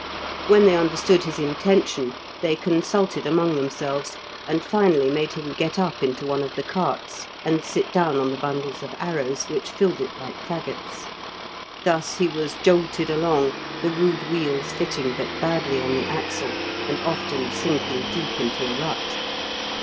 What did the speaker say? When they understood his intention, they consulted among themselves, and finally made him get up into one of the carts, and sit down on the bundles of arrows, which filled it like faggots. Thus he was jolted along, the rude wheels fitting but badly on the axle, and often sinking deep into a rut.